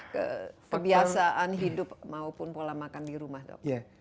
kebiasaan hidup maupun pola makan di rumah dok